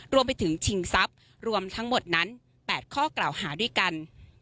รวมไปถึงชิงทรัพย์รวมทั้งหมดนั้น๘ข้อกล่าวหาด้วยกัน